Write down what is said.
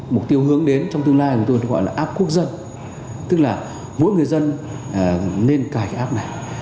mục tiêu hướng đến trong tương lai của tôi được gọi là app quốc dân tức là mỗi người dân nên cài cái app này